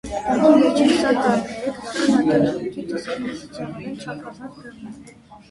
Կյանքի վերջին քսան տարիները գրական արտադրանքի տեսակետից եղել են չափազանց բեղուն։